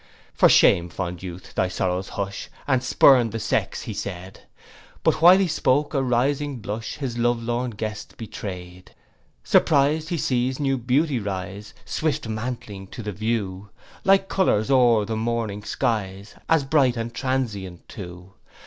'For shame fond youth thy sorrows hush And spurn the sex,' he said: But while he spoke a rising blush His love lorn guest betray'd. Surpriz'd he sees new beauties rise, Swift mantling to the view; Like colours o'er the morning skies, As bright, as transient too.